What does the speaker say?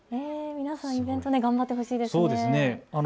皆さんイベント頑張ってほしいですね。